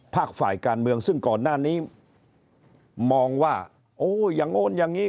ฝ่ายการเมืองซึ่งก่อนหน้านี้มองว่าโอ้อย่างโน้นอย่างนี้